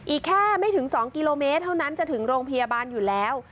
อีกแค่ไม่ถึง๒กิโลเมตรเท่านั้นจะถึงโรงพยาบาลอยู่แล้ว